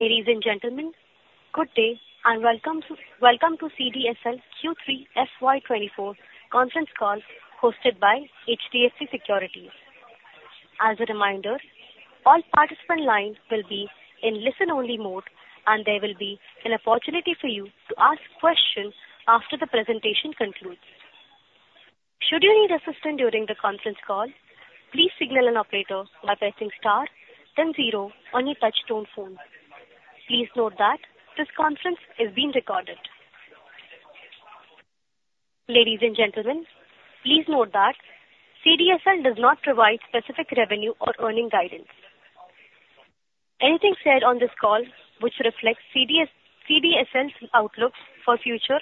Ladies and gentlemen, good day, and welcome to CDSL Q3 FY 2024 conference call hosted by HDFC Securities. As a reminder, all participant lines will be in listen-only mode, and there will be an opportunity for you to ask questions after the presentation concludes. Should you need assistance during the conference call, please signal an operator by pressing star then zero on your touch tone phone. Please note that this conference is being recorded. Ladies and gentlemen, please note that CDSL does not provide specific revenue or earnings guidance. Anything said on this call, which reflects CDSL's outlooks for future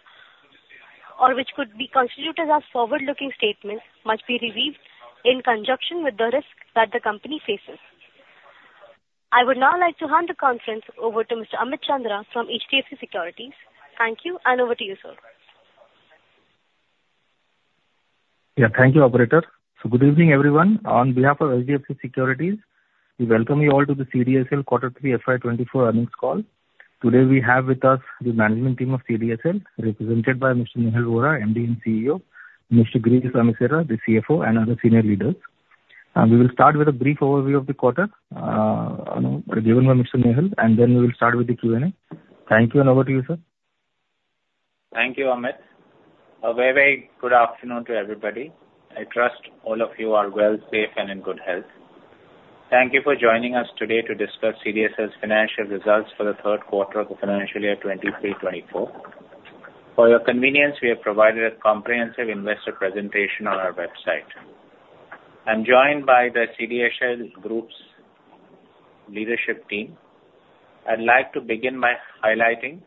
or which could be constituted as forward-looking statements, must be received in conjunction with the risk that the company faces. I would now like to hand the conference over to Mr. Amit Chandra from HDFC Securities. Thank you, and over to you, sir. Yeah. Thank you, operator. So good evening, everyone. On behalf of HDFC Securities, we welcome you all to the CDSL Quarter Three FY 2024 earnings call. Today, we have with us the management team of CDSL, represented by Mr. Nehal Vora, MD and CEO, Mr. Girish Amesara, the CFO, and other senior leaders. We will start with a brief overview of the quarter, given by Mr. Nehal, and then we will start with the Q&A. Thank you, and over to you, sir. Thank you, Amit. A very, very good afternoon to everybody. I trust all of you are well, safe, and in good health. Thank you for joining us today to discuss CDSL's financial results for the third quarter of the financial year 2023-2024. For your convenience, we have provided a comprehensive investor presentation on our website. I'm joined by the CDSL group's leadership team. I'd like to begin by highlighting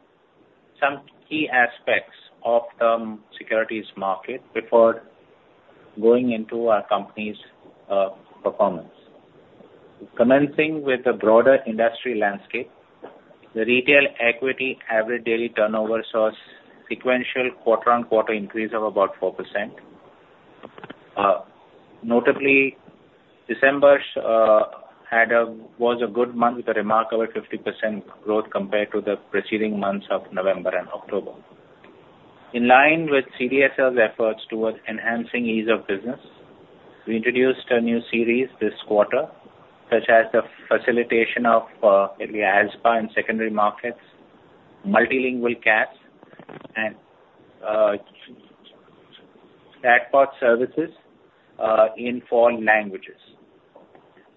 some key aspects of the securities market before going into our company's performance. Commencing with the broader industry landscape, the retail equity average daily turnover saw sequential quarter-on-quarter increase of about 4%. Notably, December was a good month with a remarkable 50% growth compared to the preceding months of November and October. In line with CDSL's efforts towards enhancing ease of business, we introduced a new series this quarter, such as the facilitation of ASBA in secondary markets, multilingual CAS and chatbot services in four languages.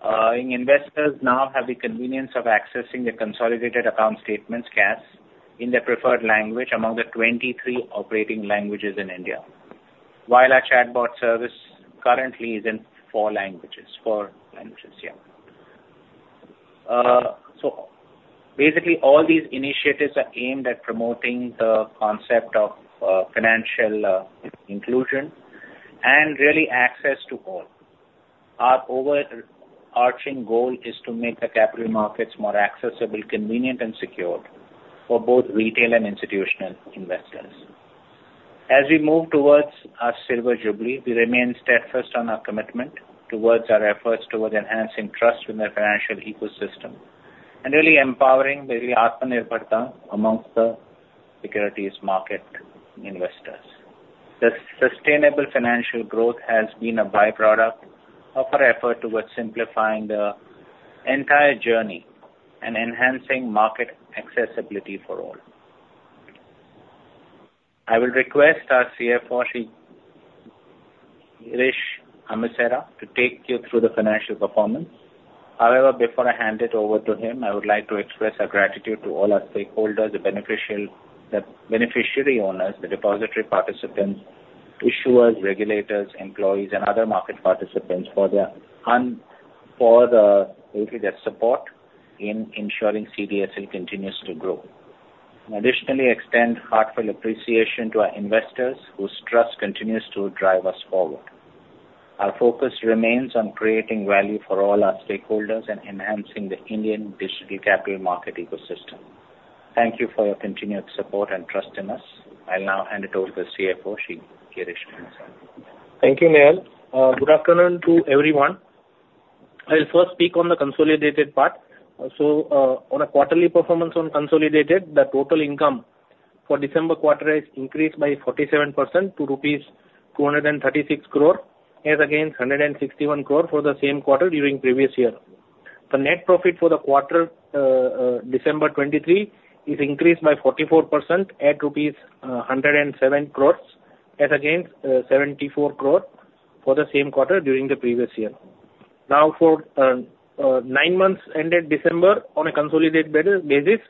Investors now have the convenience of accessing their consolidated account statements, CAS, in their preferred language among the 23 operating languages in India. While our chatbot service currently is in four languages. Four languages, yeah. So basically, all these initiatives are aimed at promoting the concept of financial inclusion and really access to all. Our overarching goal is to make the capital markets more accessible, convenient, and secure for both retail and institutional investors. As we move towards our silver jubilee, we remain steadfast on our commitment towards our efforts toward enhancing trust in the financial ecosystem and really empowering the Atmanirbharta amongst the securities market investors. The sustainable financial growth has been a by-product of our effort toward simplifying the entire journey and enhancing market accessibility for all. I will request our CFO, Sri Girish Amesara, to take you through the financial performance. However, before I hand it over to him, I would like to express our gratitude to all our stakeholders, the beneficiary owners, the depository participants, issuers, regulators, employees, and other market participants for their support in ensuring CDSL continues to grow. Additionally, extend heartfelt appreciation to our investors, whose trust continues to drive us forward. Our focus remains on creating value for all our stakeholders and enhancing the Indian digital capital market ecosystem. Thank you for your continued support and trust in us. I'll now hand it over to the CFO, Sri Girish Amesara. Thank you, Nehal. Good afternoon to everyone. I'll first speak on the consolidated part. So, on a quarterly performance on consolidated, the total income for December quarter is increased by 47% to rupees 236 crore, as against 161 crore for the same quarter during previous year. The net profit for the quarter, December 2023, is increased by 44% at rupees 107 crore, as against 74 crore for the same quarter during the previous year. Now, for nine months ended December, on a consolidated basis,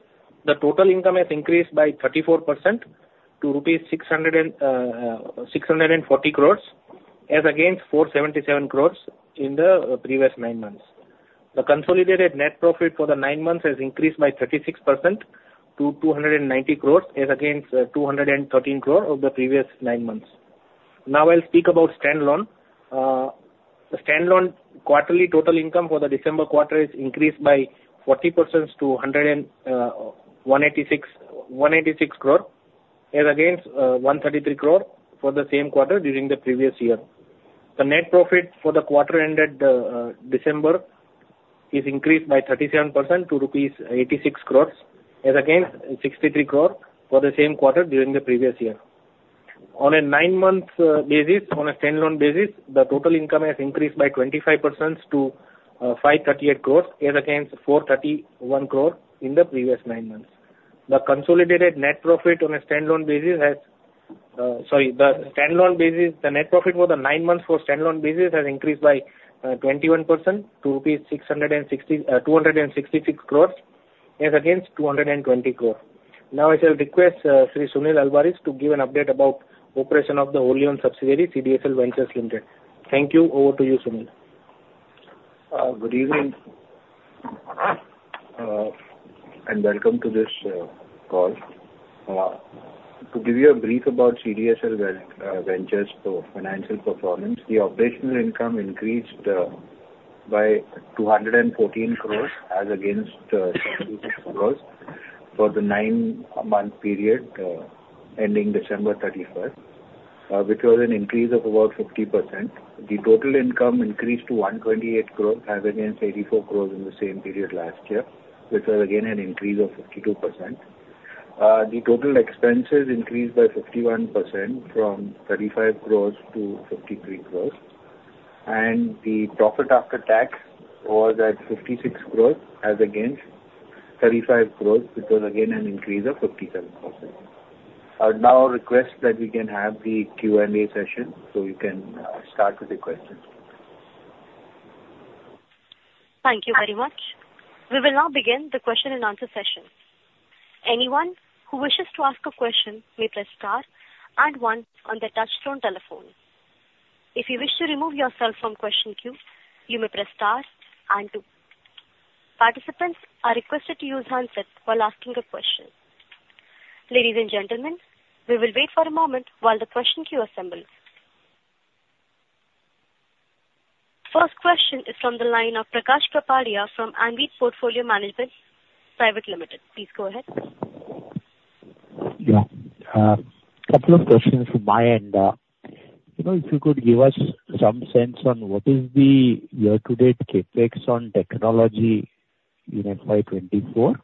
the total income has increased by 34% to rupees 640 crore, as against 477 crore in the previous nine months. The consolidated net profit for the nine months has increased by 36% to 290 crore, as against 213 crore of the previous nine months. Now, I'll speak about stand-alone. The stand-alone quarterly total income for the December quarter is increased by 40% to 186 crore, as against 133 crore for the same quarter during the previous year. The net profit for the quarter ended December is increased by 37% to rupees 86 crore, as against 63 crore for the same quarter during the previous year. On a nine-month basis, on a stand-alone basis, the total income has increased by 25% to 538 crore, as against 431 crore in the previous nine months. The consolidated net profit on a stand-alone basis has, sorry, the stand-alone basis, the net profit for the nine months for stand-alone basis has increased by 21% to INR 266 crores, as against INR 220 crore. Now, I shall request Shri Sunil Alvares to give an update about operations of the wholly-owned subsidiary, CDSL Ventures Limited. Thank you. Over to you, Sunil. Good evening, and welcome to this call. To give you a brief about CDSL Ventures' financial performance, the operational income increased by 214 crore as against 76 crore for the nine-month period ending December 31, which was an increase of about 50%. The total income increased to 128 crore, as against 84 crore in the same period last year, which was again an increase of 52%. The total expenses increased by 51% from 35 crore-53 crore, and the profit after tax was at 56 crore, as against 35 crore, which was again an increase of 57%. I would now request that we can have the Q&A session, so you can start with the questions. Thank you very much. We will now begin the question and answer session. Anyone who wishes to ask a question may press star and one on their touchtone telephone. If you wish to remove yourself from question queue, you may press star and two. Participants are requested to use handset while asking a question. Ladies and gentlemen, we will wait for a moment while the question queue assembles. First question is from the line of Prakash Kapadia from Angel Portfolio Management Private Limited. Please go ahead. Yeah, couple of questions from my end. You know, if you could give us some sense on what is the year-to-date CapEx on technology in FY 2024.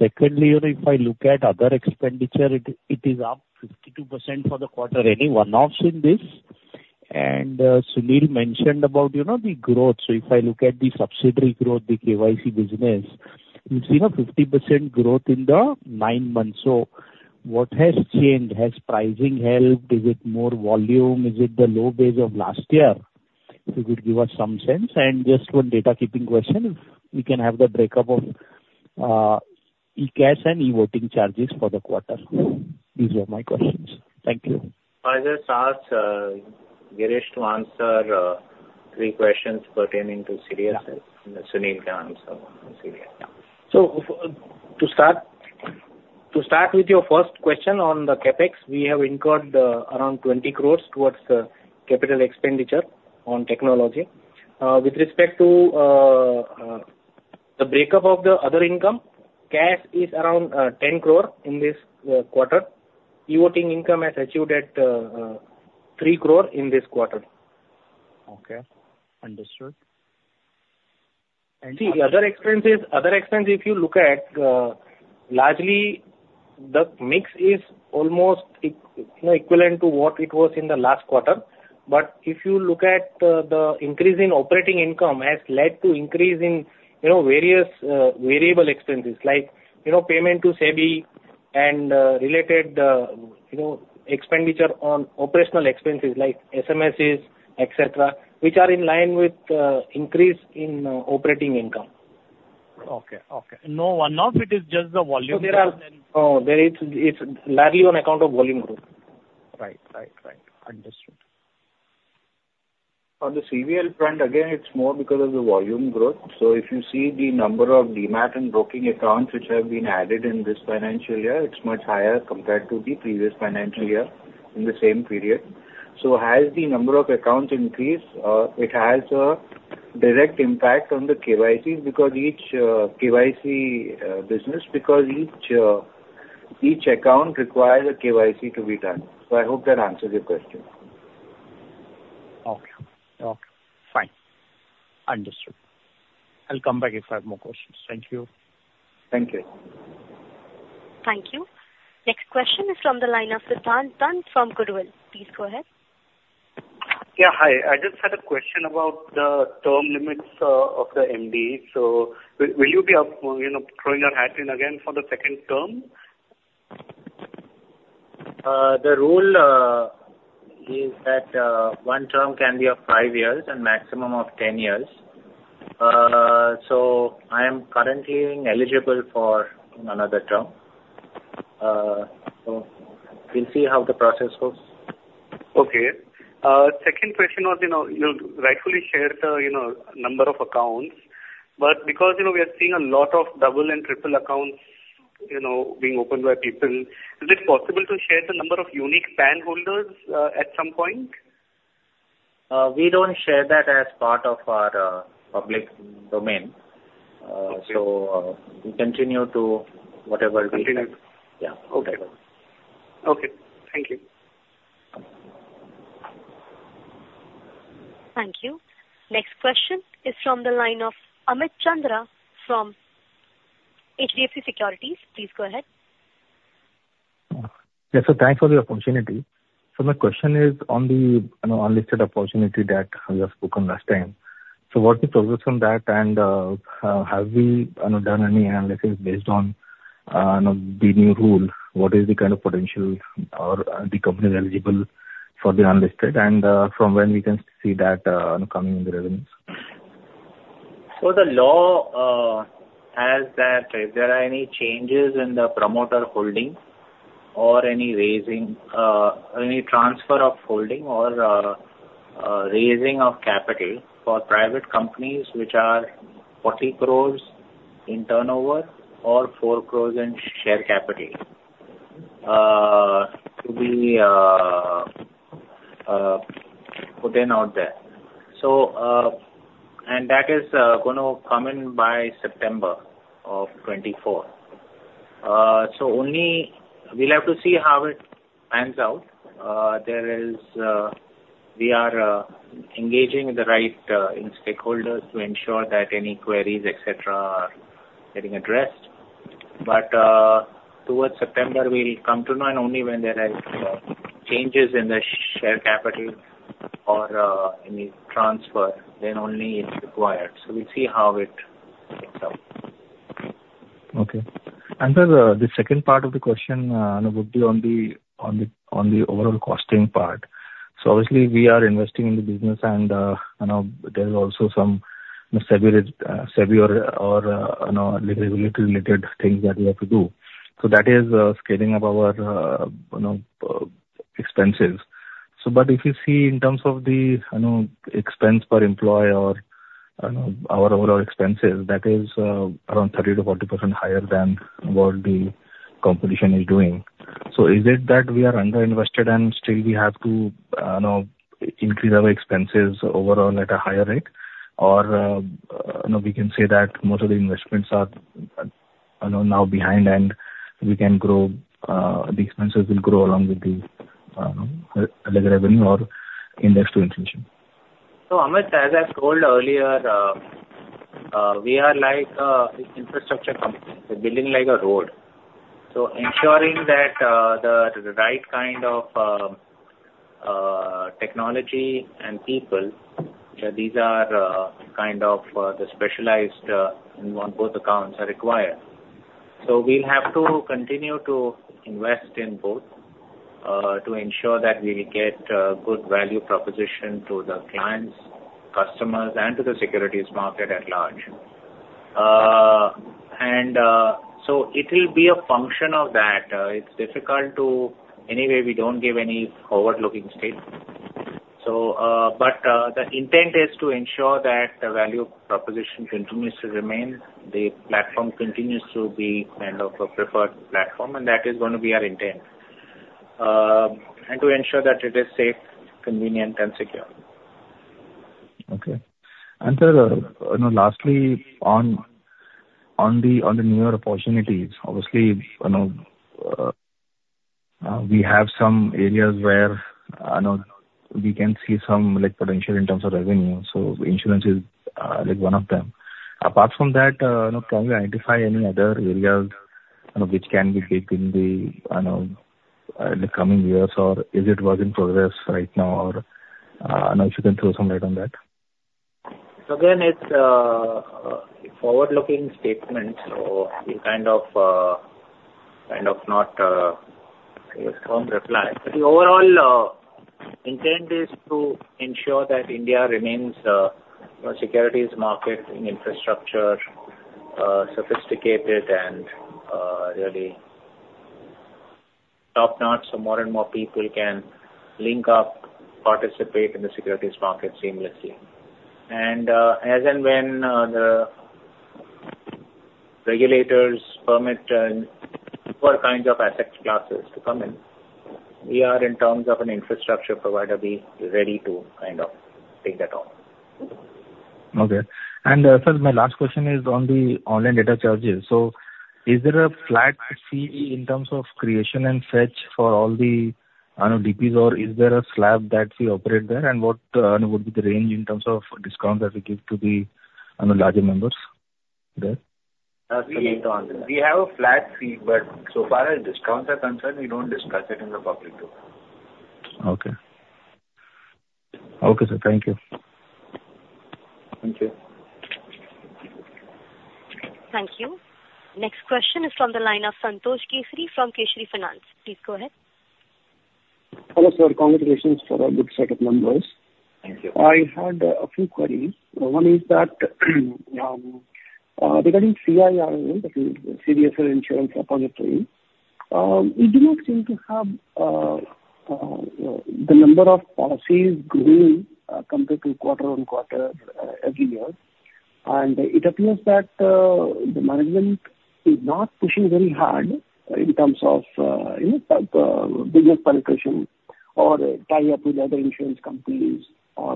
Secondly, if I look at other expenditure, it is up 52% for the quarter. Any one-offs in this? And Sunil mentioned about, you know, the growth. So if I look at the subsidiary growth, the KYC business, we've seen a 50% growth in the nine months. So what has changed? Has pricing helped? Is it more volume? Is it the low base of last year? If you could give us some sense. And just one data keeping question, if we can have the breakup of e-CAS and e-voting charges for the quarter. These are my questions. Thank you. I just ask Girish to answer three questions pertaining to CDSL, and Sunil can answer on CDSL. So, to start with your first question on the CapEx, we have incurred around 20 crore towards the capital expenditure on technology. With respect to the breakup of the other income, CAS is around 10 crore in this quarter. e-Voting income has achieved at 3 crore in this quarter. Okay, understood. See, other expenses, other expense, if you look at, largely the mix is almost equivalent, you know, to what it was in the last quarter. But if you look at, the increase in operating income has led to increase in, you know, various variable expenses like, you know, payment to SEBI and related, you know, expenditure on operational expenses like SMSs, etc, which are in line with increase in operating income. Okay. Okay. No one-off, it is just the volume? Oh, there is, it's largely on account of volume growth. Right. Right. Right. Understood. On the CVL front, again, it's more because of the volume growth. So if you see the number of demat and broking accounts which have been added in this financial year, it's much higher compared to the previous financial year in the same period. So as the number of accounts increase, it has a direct impact on the KYC business because each account requires a KYC to be done. So I hope that answers your question. Okay. Okay, fine. Understood. I'll come back if I have more questions. Thank you. Thank you. Thank you. Next question is from the line of Siddhant Dand from Goodwill. Please go ahead. Yeah, hi. I just had a question about the term limits of the MD. So will you be up, you know, throwing your hat in again for the second term? The rule is that one term can be of five years and maximum of 10 years. So I am currently eligible for another term. So we'll see how the process goes. Okay. Second question was, you know, you rightfully shared the, you know, number of accounts, but because, you know, we are seeing a lot of double and triple accounts, you know, being opened by people, is it possible to share the number of unique PAN holders at some point? We don't share that as part of our public domain. So, we continue to whatever we- Continue. Yeah. Okay. Okay. Thank you. Thank you. Next question is from the line of Amit Chandra from HDFC Securities. Please go ahead. Yes, sir. Thanks for the opportunity. So my question is on the, you know, unlisted opportunity that you have spoken last time. So what's the progress on that? And, have we, you know, done any analysis based on, you know, the new rule? What is the kind of potential or the company eligible for the unlisted, and, from when we can see that, coming in the revenues? So the law has that if there are any changes in the promoter holding or any raising, any transfer of holding or raising of capital for private companies, which are 40 crores in turnover or 4 crores in share capital, to be put out there. So, and that is going to come in by September of 2024. So only we'll have to see how it pans out. We are engaging the right stakeholders to ensure that any queries, etc, are getting addressed. But, towards September, we'll come to know, and only when there are changes in the share capital or any transfer, then only it's required. So we'll see how it turns out. Okay. And then the second part of the question would be on the overall costing part. So obviously, we are investing in the business and, you know, there is also some severe liability related things that we have to do. So that is scaling up our, you know, expenses. So but if you see in terms of the, you know, expense per employee or, you know, our overall expenses, that is around 30%-40% higher than what the competition is doing. So is it that we are underinvested and still we have to, you know, increase our expenses overall at a higher rate? Or, you know, we can say that most of the investments are, you know, now behind and we can grow; the expenses will grow along with the revenue or index to inflation. So, Amit, as I told earlier, we are like an infrastructure company. We're building like a road. So ensuring that the right kind of technology and people, these are kind of the specialized on both accounts are required. So we'll have to continue to invest in both to ensure that we get a good value proposition to the clients, customers, and to the securities market at large. And so it will be a function of that. It's difficult to... Anyway, we don't give any forward-looking statement. So but the intent is to ensure that the value proposition continues to remain, the platform continues to be kind of a preferred platform, and that is going to be our intent. And to ensure that it is safe, convenient, and secure. Okay. And sir, you know, lastly, on the newer opportunities, obviously, you know, we have some areas where, I know we can see some like potential in terms of revenue, so insurance is, like one of them. Apart from that, you know, can we identify any other areas, you know, which can be big in the, you know, in the coming years, or is it work in progress right now, or, you know, if you can throw some light on that? So again, it's a forward-looking statement, so we kind of kind of not give a firm reply. But the overall intent is to ensure that India remains a securities market in infrastructure sophisticated and really top-notch, so more and more people can link up, participate in the securities market seamlessly. And as and when the regulators permit and all kinds of asset classes to come in, we are in terms of an infrastructure provider, be ready to kind of take that on. Okay. And, sir, my last question is on the Online Data Charges. So is there a flat fee in terms of creation and fetch for all the, I know, DPs, or is there a slab that we operate there? And what would be the range in terms of discounts that we give to the, you know, larger members there? We have a flat fee, but so far as discounts are concerned, we don't discuss it in the public domain. Okay. Okay, sir. Thank you. Thank you. Thank you. Next question is from the line of Santosh Kesari from Kesari Finance. Please go ahead. Hello, sir. Congratulations for a good set of numbers. Thank you. I had a few queries. One is that, regarding CIRL, that is CDSL Insurance Repository, you do not seem to have the number of policies growing, compared to quarter on quarter, every year. And it appears that the management is not pushing very hard in terms of, you know, business penetration... or tie up with other insurance companies or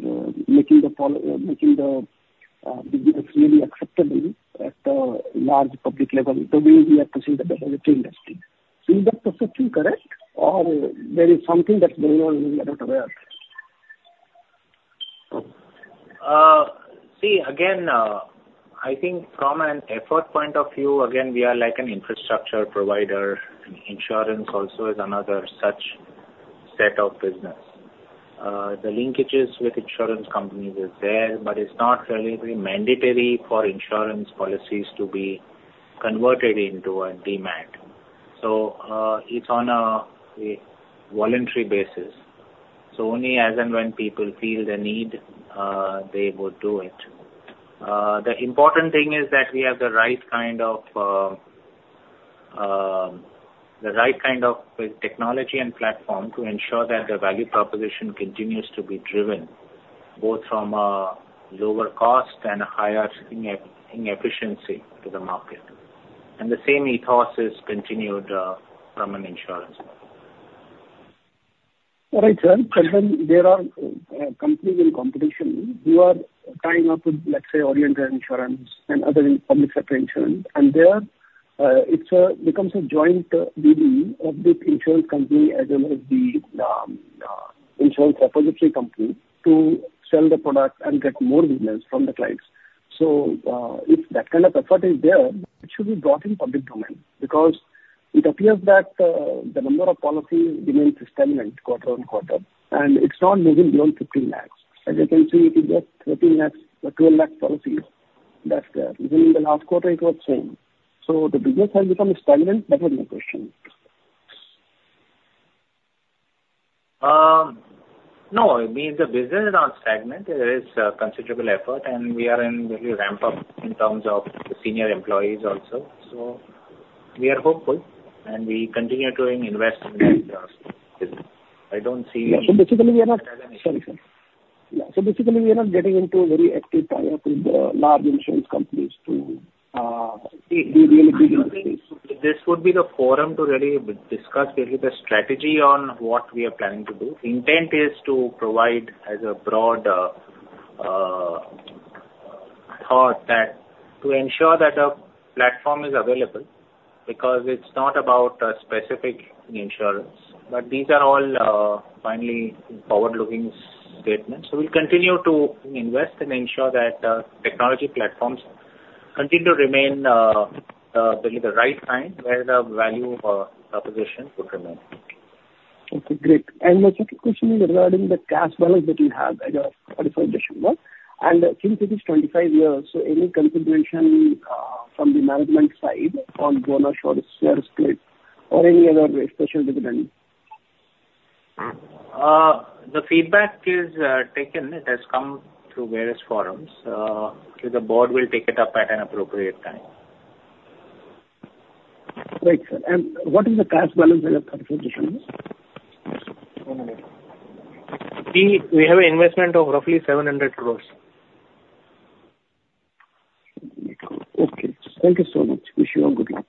making the business really acceptable at a large public level. The way we are pursuing the digital industry. Is that perception correct, or there is something that we are not aware of? See, again, I think from an effort point of view, again, we are like an infrastructure provider, and insurance also is another such set of business. The linkages with insurance companies is there, but it's not really mandatory for insurance policies to be converted into a demat. So, it's on a voluntary basis, so only as and when people feel the need, they would do it. The important thing is that we have the right kind of the right kind of technology and platform to ensure that the value proposition continues to be driven, both from a lower cost and a higher inefficiency to the market. And the same ethos is continued from an insurance company. All right, sir. And then there are companies in competition. You are tying up with, let's say, Oriental Insurance and other public sector insurance, and there, it's a becomes a joint venture of the insurance company as well as the insurance depository company to sell the product and get more business from the clients. So, if that kind of effort is there, it should be brought in public domain, because it appears that the number of policies remains stagnant quarter-over-quarter, and it's not moving beyond 15 lakhs. As you can see, it is just 13 lakhs or 12 lakh policies that within the last quarter it was same. So the business has become stagnant? That was my question. No, I mean, the business is not stagnant. There is considerable effort, and we are in really ramp up in terms of the senior employees also. So we are hopeful, and we continue to invest in that business. I don't see- Yeah. So basically, we are not... Sorry, sir. Yeah. So basically, we are not getting into a very active tie-up with the large insurance companies to, be really big in this space. This would be the forum to really discuss really the strategy on what we are planning to do. Intent is to provide as a broad thought that to ensure that the platform is available, because it's not about a specific insurance, but these are all finally forward-looking statements. So we'll continue to invest and ensure that technology platforms continue to remain the right kind, where the value proposition could remain. Okay, great. And the second question is regarding the cash balance that you have as of thirty-first December, and since it is 25 years, so any consideration from the management side on bonus or share split or any other way, special dividend? The feedback is taken. It has come through various forums. So the board will take it up at an appropriate time. Right, sir. And what is the cash balance as of December 31st? We have an investment of roughly 700 crore. Okay. Thank you so much. Wish you all good luck.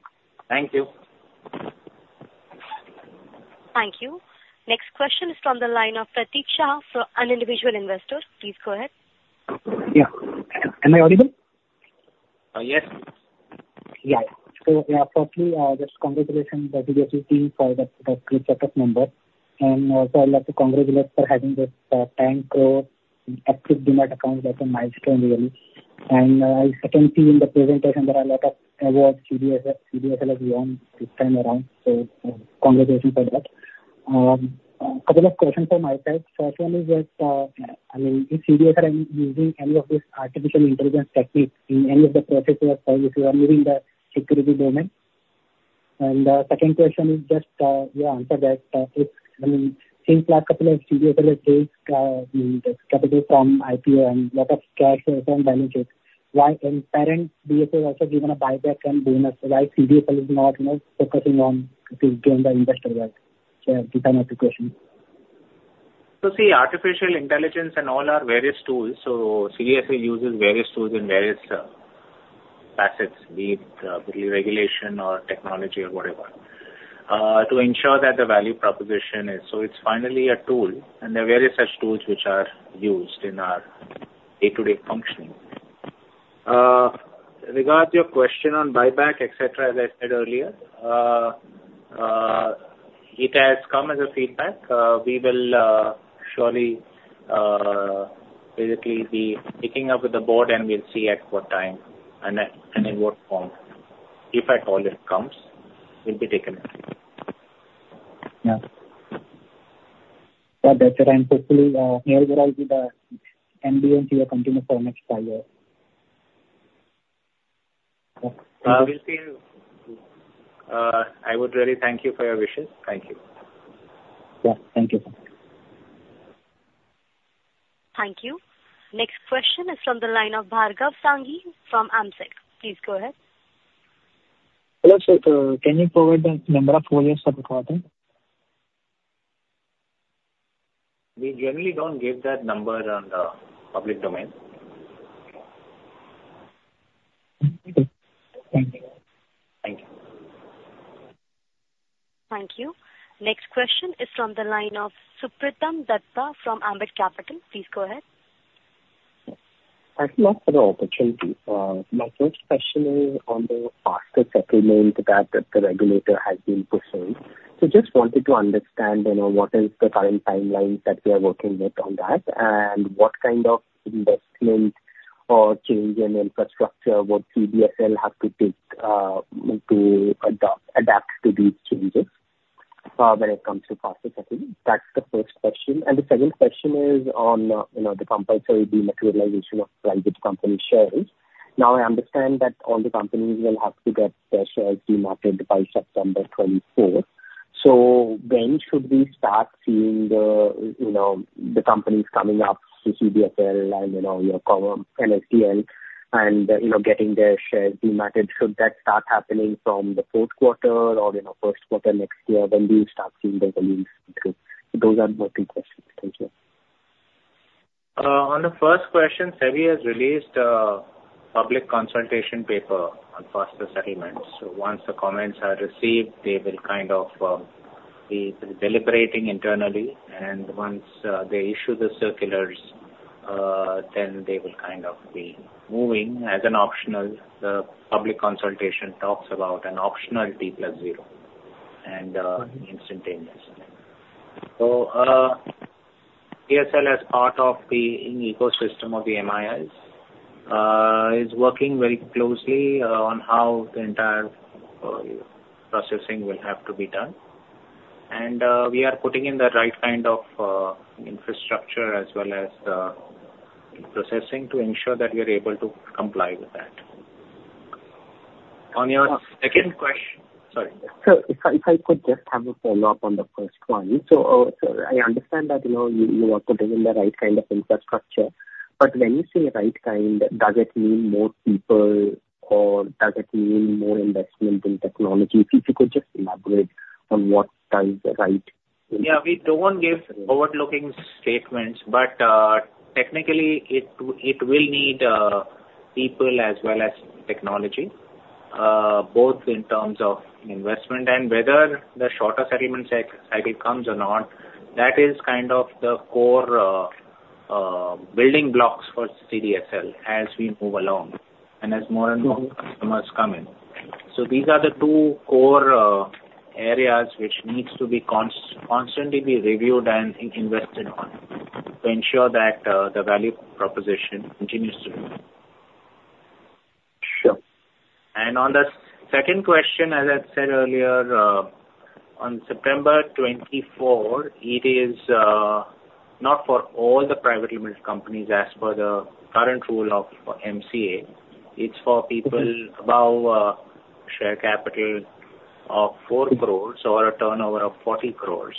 Thank you. Thank you. Next question is from the line of Pratik Shah from an Individual Investor. Please go ahead. Yeah. Am I audible? Uh, yes. Yeah. So yeah, firstly, just congratulations to the CDSL team for the great set of number, and also I'd like to congratulate for having this INR 10 crore active demat accounts. That's a milestone, really. And, I can see in the presentation there are a lot of awards CDSL, CDSL has won this time around, so congratulations for that. A couple of questions from my side. First one is just, I mean, is CDSL using any of this artificial intelligence techniques in any of the processes or if you are using the security domain? Second question is just, you answer that, if, I mean, since last couple of CDSL has raised, capital from IPO and lot of cash from balances, why in parent BSE also given a buyback and bonus, so why CDSL is not, you know, focusing on to gain the investor back? Yeah, these are my two questions. See, artificial intelligence and all are various tools. CDSL uses various tools in various facets, be it regulation or technology or whatever, to ensure that the value proposition is... It's finally a tool, and there are various such tools which are used in our day-to-day functioning. Regarding your question on buyback, etc, as I said earlier, it has come as a feedback. We will surely basically be picking up with the board and we'll see at what time and then, and in what form. If at all it comes, it will be taken up. Yeah. Well, that's it, and hopefully, here there will be the MD and CEO continue for next five years. We'll see. I would really thank you for your wishes. Thank you. Yeah. Thank you. Thank you. Next question is from the line of Bhargav Sangi from AMSEC. Please go ahead. Hello, sir. Can you provide the number of users for the quarter? We generally don't give that number on the public domain. Thank you. Thank you. Thank you. Next question is from the line of Supratim Datta from Ambit Capital. Please go ahead. Thank you for the opportunity. My first question is on the faster settlement that the regulator has been pursuing. Just wanted to understand, you know, what is the current timeline that we are working with on that, and what kind of investment or change in infrastructure would CDSL have to take, to adopt, adapt to these changes, when it comes to faster settlement? That's the first question. The second question is on, you know, the compulsory dematerialization of private company shares. Now, I understand that all the companies will have to get their shares dematted by September twenty-fourth. When should we start seeing the, you know, the companies coming up to CDSL and, you know, your common NSDL and, you know, getting their shares dematted? Should that start happening from the fourth quarter or, you know, first quarter next year? When do you start seeing the volumes through? Those are my two questions. Thank you. On the first question, SEBI has released a public consultation paper on faster settlements. So once the comments are received, they will kind of be deliberating internally, and once they issue the circulars, then they will kind of be moving as an optional. The public consultation talks about an optional T+0 and instantaneous. So CDSL as part of the ecosystem of the MIIs is working very closely on how the entire processing will have to be done. And we are putting in the right kind of infrastructure as well as the processing to ensure that we are able to comply with that. On your second question... Sorry. Sir, if I could just have a follow-up on the first one. So, I understand that, you know, you are putting in the right kind of infrastructure, but when you say right kind, does it mean more people, or does it mean more investment in technology? If you could just elaborate on what kind the right. Yeah, we don't give forward-looking statements, but technically, it will need people as well as technology, both in terms of investment and whether the shorter settlement cycle comes or not, that is kind of the core building blocks for CDSL as we move along and as more and more customers come in. So these are the two core areas which needs to be constantly reviewed and invested on to ensure that the value proposition continues to grow. Sure. And on the second question, as I said earlier, on September 24th, it is not for all the private limited companies as per the current rule of MCA. It's for people above share capital of 4 crore or a turnover of 40 crore.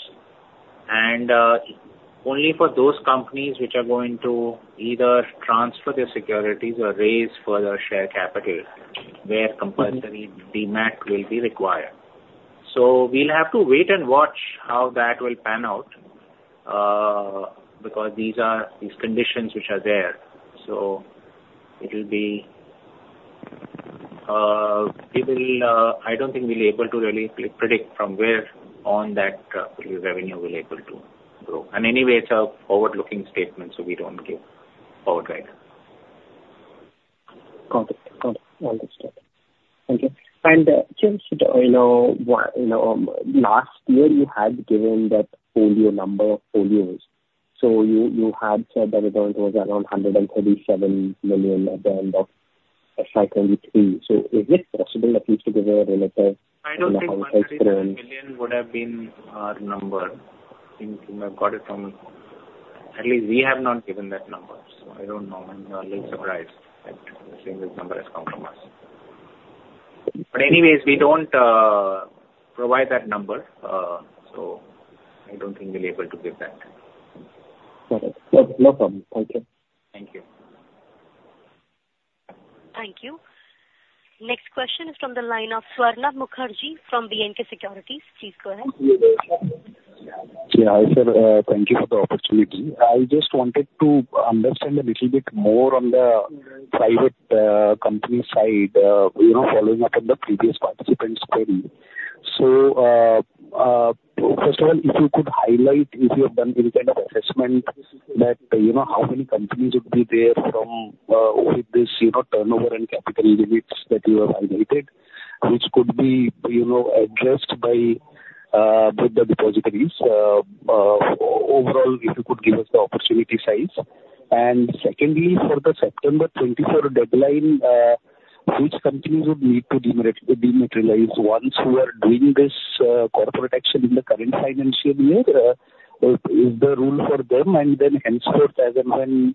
Only for those companies which are going to either transfer their securities or raise further share capital, where compulsory demat will be required. So we'll have to wait and watch how that will pan out, because these are these conditions which are there. So it will be, it will, I don't think we'll be able to really predict from where on that, revenue will able to grow. And anyway, it's a forward-looking statement, so we don't give forward guidance. Got it. Got it. Understood. Thank you. Since, you know, what, you know, last year you had given that folio number of folios, so you, you had said that it was around 137 million at the end of FY 2023. So is it possible at least to give a relative? I don't think 137 million would have been our number. Think you might have got it from... At least we have not given that number, so I don't know. I'm a little surprised that this number has come from us. But anyways, we don't provide that number, so I don't think we'll be able to give that. Got it. No, no problem. Thank you. Thank you. Thank you. Next question is from the line of Swarnabh Mukherjee from B&K Securities. Please go ahead. Yeah, hi, sir. Thank you for the opportunity. I just wanted to understand a little bit more on the private company side, you know, following up on the previous participant's query. First of all, if you could highlight, if you have done any kind of assessment that you know, how many companies would be there from, with this, you know, turnover and capital limits that you have highlighted, which could be, you know, addressed by, with the depositories. Overall, if you could give us the opportunity size. And secondly, for the September 24th deadline, which companies would need to dematerialize? Once you are doing this corporate action in the current financial year, is the rule for them, and then henceforth, as and when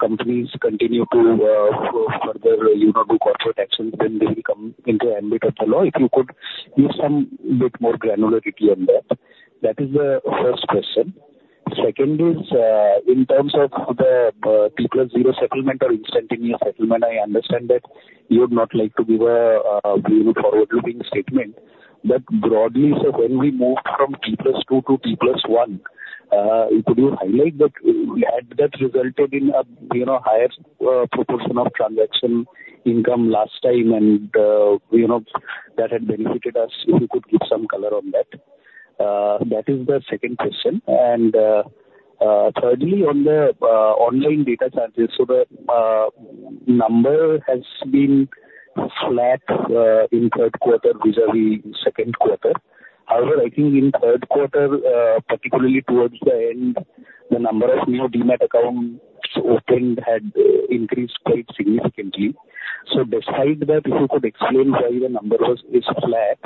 companies continue to flow further, you know, do corporate actions, then they will come into ambit of the law. If you could give some bit more granularity on that. That is the first question. Second is, in terms of the T+0 settlement or instantaneous settlement, I understand that you would not like to give a forward-looking statement, but broadly, sir, when we moved from T+2 to T+1-... Could you highlight that, had that resulted in a you know higher proportion of transaction income last time and you know that had benefited us, if you could give some color on that. That is the second question. Thirdly, on the online data charges, so the number has been flat in third quarter vis-à-vis second quarter. However, I think in third quarter, particularly towards the end, the number of new demat accounts opened had increased quite significantly. So besides that, if you could explain why the number was this flat,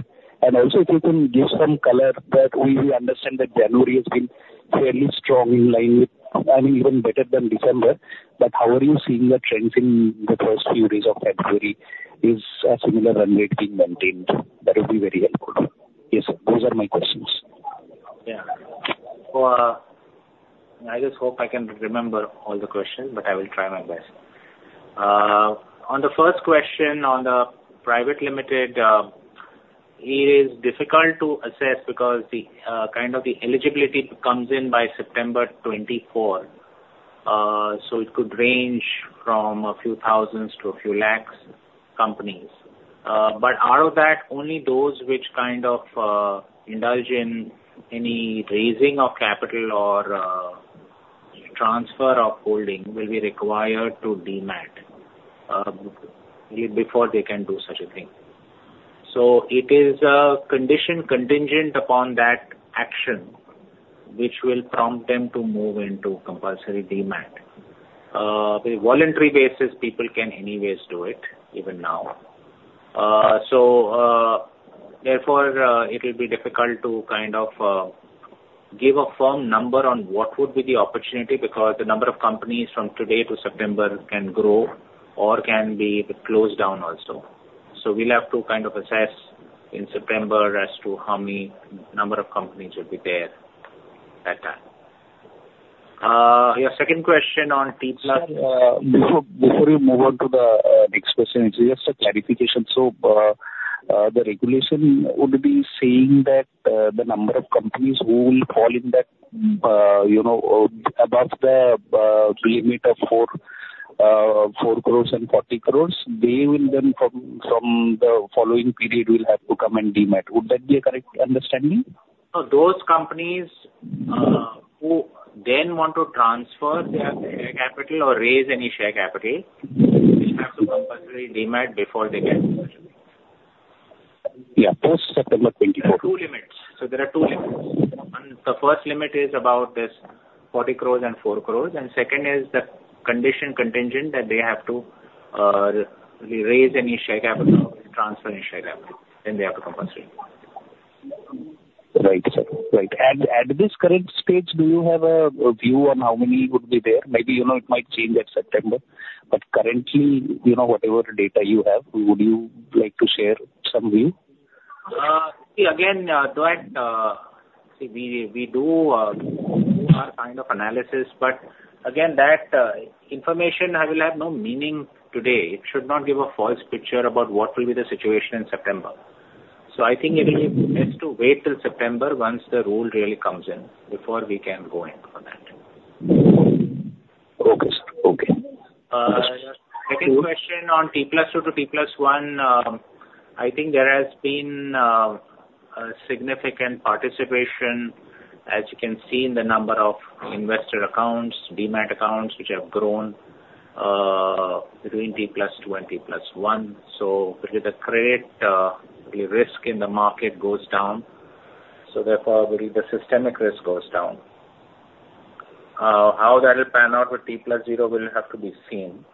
and also if you can give some color, that we understand that January has been fairly strong in line with, I mean, even better than December, but how are you seeing the trends in the first few days of February? Is a similar run rate being maintained? That would be very helpful. Yes, sir, those are my questions. Yeah. So, I just hope I can remember all the questions, but I will try my best. On the first question, on the private limited, it is difficult to assess because the, kind of the eligibility comes in by September 2024. So it could range from a few thousands to a few lakhs companies. But out of that, only those which kind of, indulge in any raising of capital or, transfer of holding will be required to demat, before they can do such a thing. So it is a condition contingent upon that action, which will prompt them to move into compulsory demat. The voluntary basis, people can anyways do it even now. So, therefore, it will be difficult to kind of give a firm number on what would be the opportunity, because the number of companies from today to September can grow or can be closed down also. So we'll have to kind of assess in September as to how many number of companies will be there at that time. Your second question on T+. Sir, before you move on to the next question, it's just a clarification. So, the regulation would be saying that the number of companies who will fall in that, you know, above the limit of 4 crore and 40 crore, they will then from the following period, will have to come and demat. Would that be a correct understanding? No, those companies, who then want to transfer their share capital or raise any share capital, they have to compulsory demat before they can do so. Yeah, post September 2024. There are two limits. So there are two limits. One, the first limit is about this 40 crore and 4 crore, and second is the condition contingent, that they have to raise any share capital, transfer any share capital, then they have to compulsory. Right, sir. Right. At this current stage, do you have a view on how many would be there? Maybe, you know, it might change at September, but currently, you know, whatever data you have, would you like to share some view? See, again, that we do our kind of analysis, but again, that information will have no meaning today. It should not give a false picture about what will be the situation in September. So I think it'll be best to wait till September once the rule really comes in, before we can go in on that. Okay, sir. Okay. Second question on T+2-T+1, I think there has been a significant participation, as you can see in the number of investor accounts, demat accounts, which have grown between T+2 and T+1. So with the credit, the risk in the market goes down, so therefore, the systemic risk goes down. How that will pan out with T+0 will have to be seen.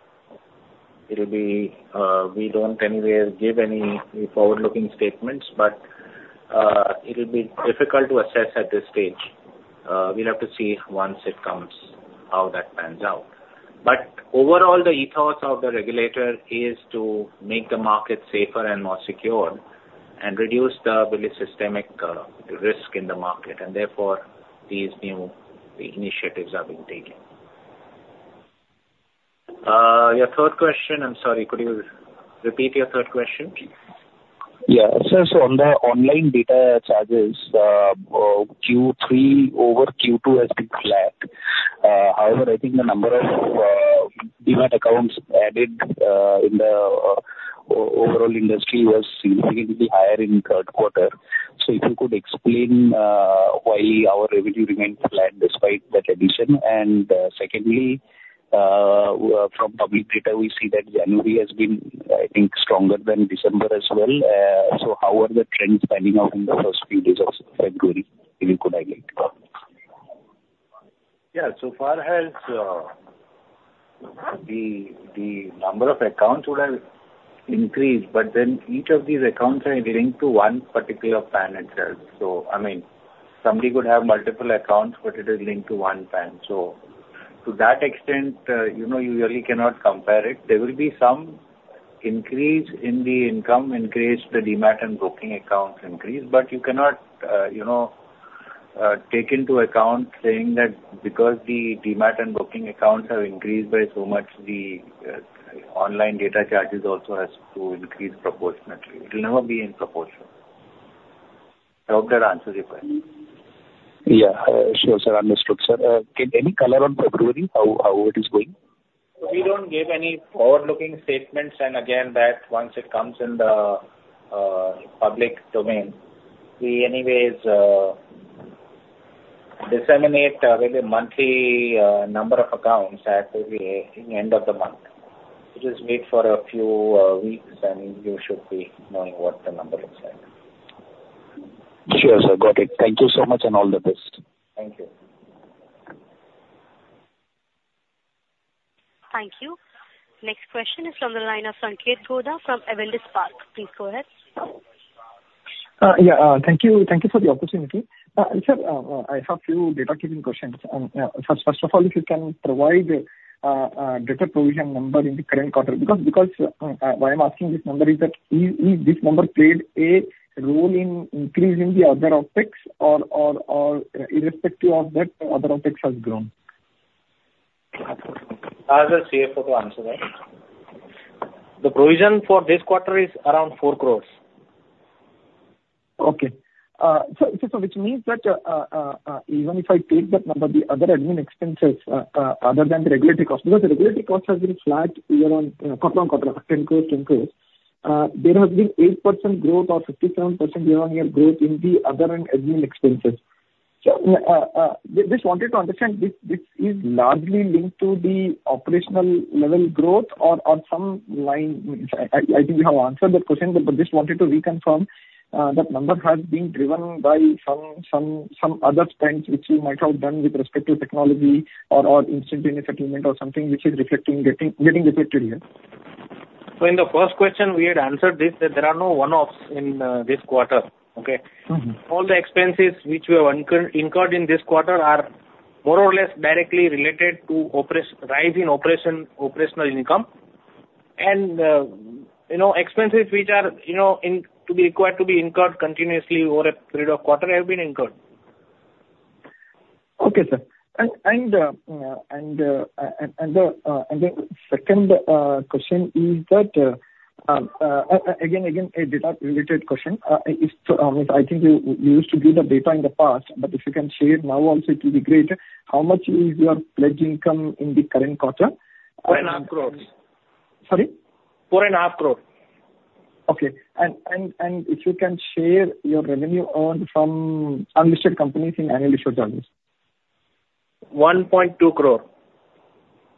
It'll be, we don't anywhere give any forward-looking statements, but, it'll be difficult to assess at this stage. We'll have to see once it comes, how that pans out. But overall, the ethos of the regulator is to make the market safer and more secure, and reduce the really systemic risk in the market, and therefore, these new initiatives are being taken. Your third question, I'm sorry, could you repeat your third question? Yeah. So on the Online Data Charges, Q3-over-Q2 has been flat. However, I think the number of demat accounts added in the overall industry was significantly higher in third quarter. So if you could explain why our revenue remains flat despite that addition? And secondly, from public data, we see that January has been, I think, stronger than December as well. So how are the trends panning out in the first few days of February, if you could highlight? Yeah, so far as the number of accounts would have increased, but then each of these accounts are linked to one particular PAN itself. So I mean, somebody could have multiple accounts, but it is linked to one PAN. So to that extent, you know, you really cannot compare it. There will be some increase in the income increase, the demat and broking accounts increase, but you cannot, you know, take into account saying that because the demat and broking accounts have increased by so much, the online data charges also has to increase proportionately. It will never be in proportion. I hope that answers your question. Yeah, sure, sir. Understood, sir. Can any color on February, how it is going? We don't give any forward-looking statements, and again, that once it comes in the public domain, we anyways disseminate with the monthly number of accounts at the end of the month. Just wait for a few weeks, and you should be knowing what the number looks like. Sure, sir. Got it. Thank you so much, and all the best. Thank you. Thank you. Next question is from the line of Sanketh Godha from Avendus Spark. Please go ahead. Yeah, thank you. Thank you for the opportunity. Sir, I have few data-keeping questions. First of all, if you can provide data provision number in the current quarter, because why I'm asking this number is that, is this number played a role in increasing the other objects or irrespective of that, other objects has grown? Ask the CFO to answer that. The provision for this quarter is around 4 crore. Okay. So which means that even if I take that number, the other admin expenses other than the regulatory cost, because the regulatory cost has been flat year on quarter on quarter, 10 crore, 10 crore. There has been 8% growth or 57% year-on-year growth in the other admin expenses. So just wanted to understand if this is largely linked to the operational level growth or some line. I think you have answered that question, but just wanted to reconfirm that number has been driven by some other spends which you might have done with respect to technology or instantaneous settlement or something which is reflecting, getting reflected here. In the first question, we had answered this, that there are no one-offs in this quarter. Okay? All the expenses which we have incurred in this quarter are more or less directly related to rise in operational income. You know, expenses which are, you know, to be required to be incurred continuously over a period of quarter have been incurred. Okay, sir. The second question is that, again, a data-related question. I think you used to give the data in the past, but if you can share now also, it will be great. How much is your pledge income in the current quarter? 4.5 crore. Sorry? 4.5 crore. Okay. And if you can share your revenue earned from unlisted companies annually in dollars? 1.2 crore.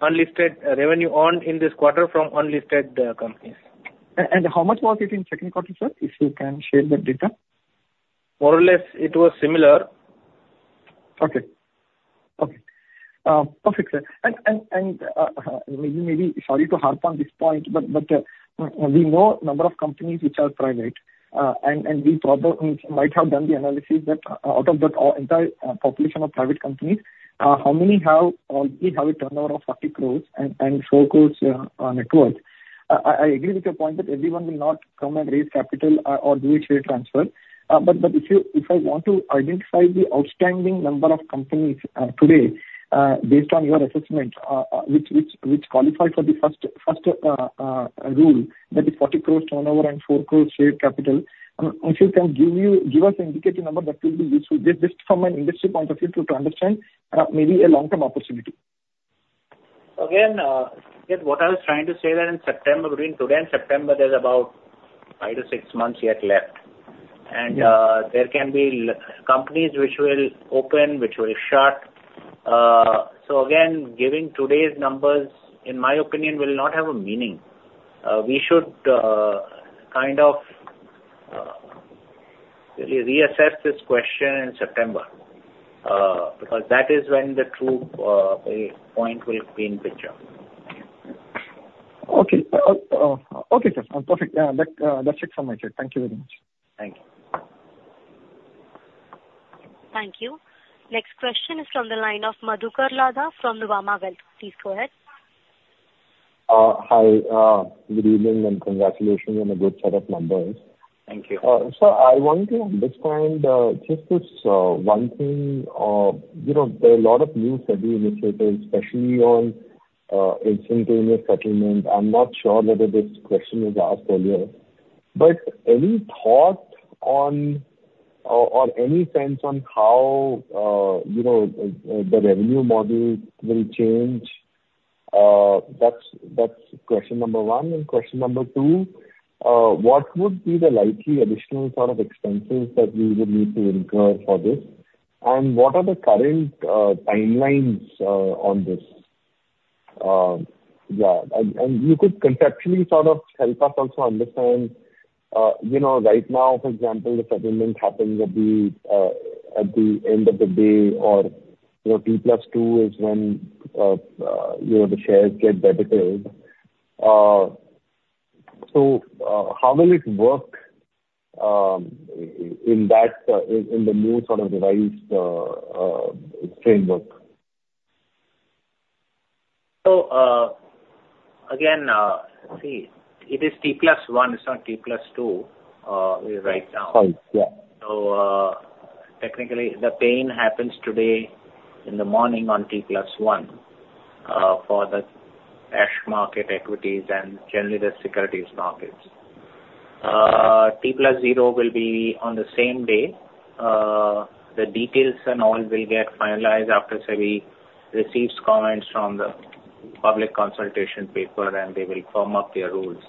Unlisted revenue earned in this quarter from unlisted companies. How much was it in second quarter, sir, if you can share that data? More or less, it was similar. Okay. Okay. Perfect, sir. And maybe sorry to harp on this point, but we know number of companies which are private, and we probably might have done the analysis that out of that entire population of private companies, how many have or we have a turnover of 30 crore and 4 crore net worth? I agree with your point that everyone will not come and raise capital or do a trade transfer. But if I want to identify the outstanding number of companies today, based on your assessment, which qualify for the first rule, that is 40 crore turnover and 4 crore paid capital, if you can give us indicative number, that will be useful. Just from an industry point of view to understand, maybe a long-term opportunity. Again, what I was trying to say that in September, between today and September, there's about five to six months yet left. There can be companies which will open, which will shut. So again, giving today's numbers, in my opinion, will not have a meaning. We should kind of reassess this question in September, because that is when the true point will be in picture. Okay, sir. Perfect. That's it from my side. Thank you very much. Thank you. Thank you. Next question is from the line of Madhukar Ladha from Nuvama Wealth. Please go ahead. Hi, good evening, and congratulations on a good set of numbers. Thank you. So I want to understand, just this, one thing, you know, there are a lot of new SEBI initiatives, especially on, instantaneous settlement. I'm not sure whether this question was asked earlier. But any thought on or, or any sense on how, you know, the revenue model will change? That's, that's question number one. And question number two, what would be the likely additional sort of expenses that we would need to incur for this? And what are the current, timelines, on this? Yeah, and, and you could conceptually sort of help us also understand, you know, right now, for example, if settlement happens at the, at the end of the day or, you know, T+2 is when, you know, the shares get dedicated. So, how will it work in that new sort of revised framework? Again, see, it is T+1. It's not T+2 right now. Right. Yeah. So, technically, the pay-in happens today in the morning on T+1, for the cash market equities and generally the securities markets. T+0 will be on the same day. The details and all will get finalized after SEBI receives comments from the public consultation paper, and they will form up their rules,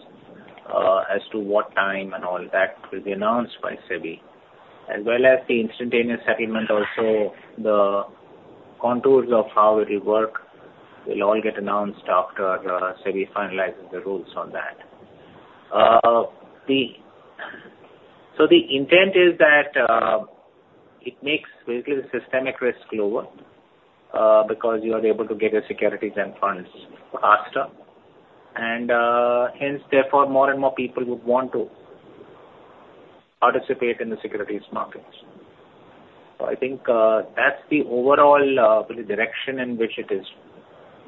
as to what time and all that will be announced by SEBI. As well as the instantaneous settlement, also, the contours of how it will work will all get announced after, SEBI finalizes the rules on that. So the intent is that, it makes basically the systemic risk lower, because you are able to get your securities and funds faster, and, hence, therefore, more and more people would want to participate in the securities markets. So I think, that's the overall, the direction in which it is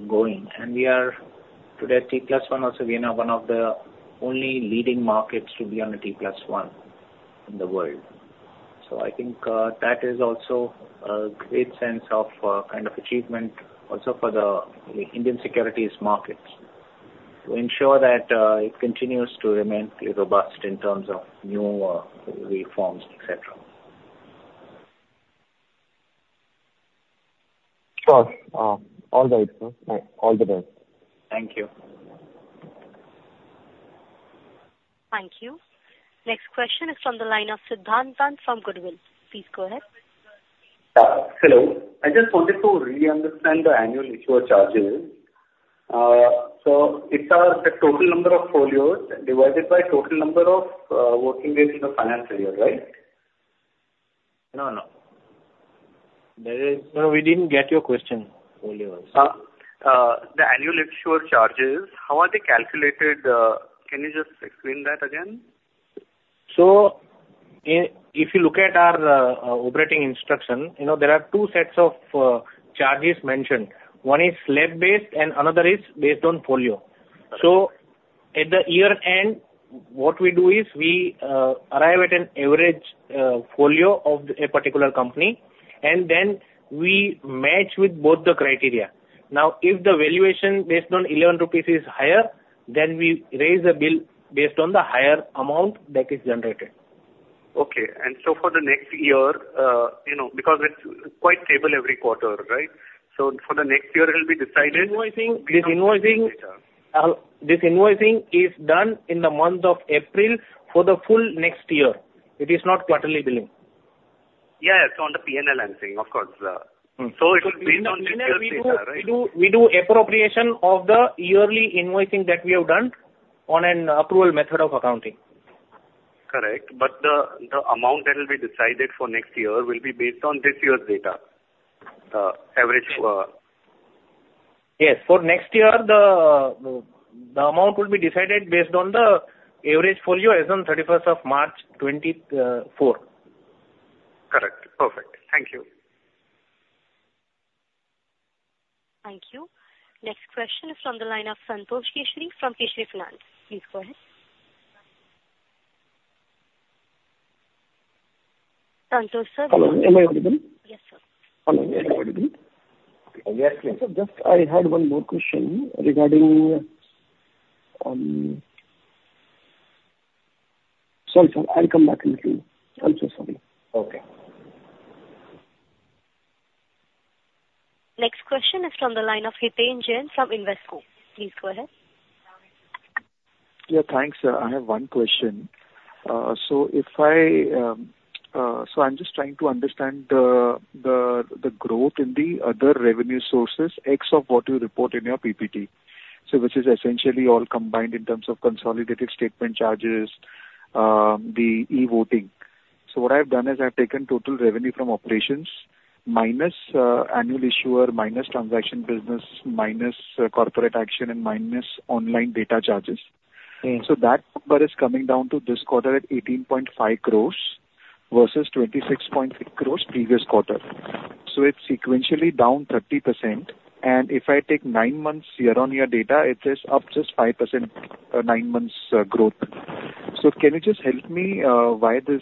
going. And we are today at T+1, also, we are now one of the only leading markets to be on the T+1 in the world. So I think, that is also a great sense of, kind of achievement also for the Indian securities markets to ensure that, it continues to remain robust in terms of new, reforms, etc. Sure. All right, sir. All the best. Thank you. Thank you. Next question is from the line of Siddhant Dand from Goodwill. Please go ahead. Hello. I just wanted to re-understand the annual issuer charges. So is it the total number of folios divided by total number of working days in the financial year, right? No, no. No, we didn't get your question. Folios. The annual issuer charges, how are they calculated? Can you just explain that again? If you look at our operating instruction, you know, there are two sets of charges mentioned. One is slab-based and another is based on folio. At the year-end, what we do is we arrive at an average folio of a particular company, and then we match with both the criteria. Now, if the valuation based on 11 rupees is higher, then we raise a bill based on the higher amount that is generated. Okay. And so for the next year, you know, because it's quite stable every quarter, right? So for the next year, it will be decided. This invoicing, this invoicing, this invoicing is done in the month of April for the full next year. It is not quarterly billing. Yeah, it's on the P&L, I'm saying, of course. So it's based on this year data, right? We do, we do appropriation of the yearly invoicing that we have done on an approval method of accounting. Correct. But the amount that will be decided for next year will be based on this year's data, the average for- Yes. For next year, the amount will be decided based on the average folio as on thirty-first of March 2024. Correct. Perfect. Thank you. Thank you. Next question is from the line of Santosh Kesari from Kesari Finance. Please go ahead. Santosh, sir? Hello, am I audible? Yes, sir. Hello, am I audible? We are clear. So, just, I had one more question regarding... Sorry, sir, I'll come back in a few. I'm so sorry. Okay. Next question is from the line of Hiten Jain from Invesco. Please go ahead. Yeah, thanks. I have one question. So if I so I'm just trying to understand the growth in the other revenue sources, ex of what you report in your PPT. So which is essentially all combined in terms of consolidated statement charges, the e-voting. So what I've done is I've taken total revenue from operations minus annual issuer, minus transaction business, minus corporate action, and minus online data charges. So that number is coming down to this quarter at 18.5 crores versus 26.6 crores previous quarter. So it's sequentially down 30%, and if I take nine months year-on-year data, it is up just 5%, nine months, growth. So can you just help me, why this,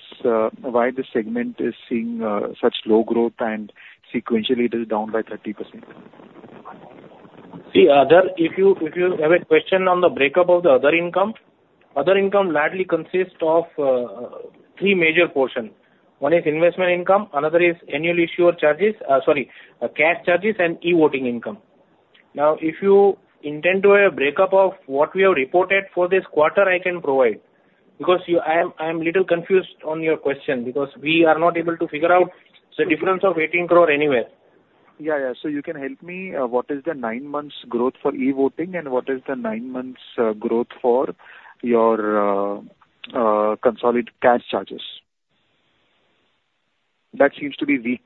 why this segment is seeing, such low growth and sequentially it is down by 30%? See, other, if you, if you have a question on the breakup of the other income, other income largely consists of three major portion. One is investment income, another is annual issuer charges, sorry, CAS charges and e-voting income. Now, if you intend to have a breakup of what we have reported for this quarter, I can provide, because you—I am, I am little confused on your question, because we are not able to figure out the difference of 18 crore anywhere. Yeah, yeah. So you can help me, what is the nine months growth for e-Voting, and what is the nine months growth for your consolidated CAS charges? That seems to be weak.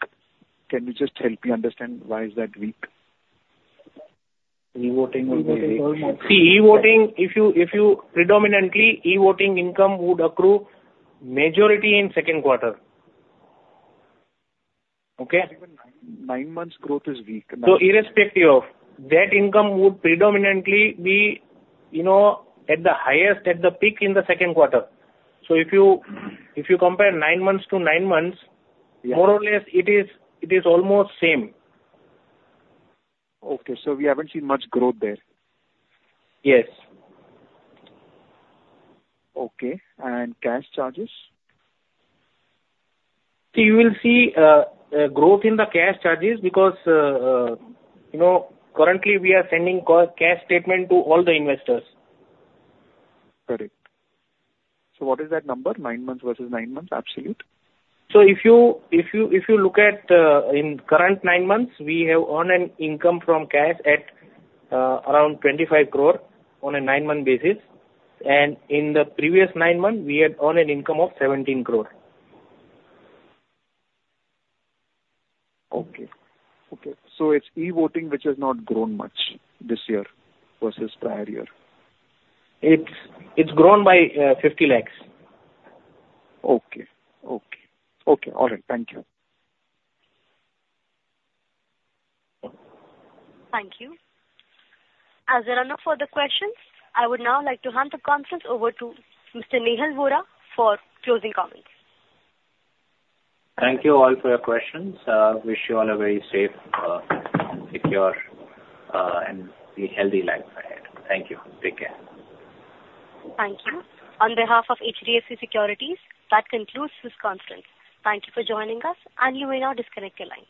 Can you just help me understand why is that weak? e-voting would be weak. See, e-voting, if you—predominantly, e-voting income would accrue majority in second quarter. Okay? nine months growth is weak. So irrespective, that income would predominantly be, you know, at the highest, at the peak in the second quarter. So if you compare nine months to nine months- Yeah. ...more or less, it is, it is almost same. Okay, so we haven't seen much growth there? Yes. Okay, and CAS charges? So you will see growth in the CAS charges because, you know, currently we are sending CAS statement to all the investors. Correct. So what is that number, nine months versus nine months absolute? So if you look at in current nine months, we have earned an income from CAS at around 25 crore on a nine-month basis, and in the previous nine months, we had earned an income of 17 crore. Okay. Okay, so it's e-voting, which has not grown much this year versus prior year? It's, it's grown by 50 lakhs. Okay. Okay. Okay, all right. Thank you. Thank you. As there are no further questions, I would now like to hand the conference over to Mr. Nehal Vora for closing comments. Thank you all for your questions. Wish you all a very safe, secure, and a healthy life ahead. Thank you. Take care. Thank you. On behalf of HDFC Securities, that concludes this conference. Thank you for joining us, and you may now disconnect your line.